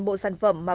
các bạn có mấy loại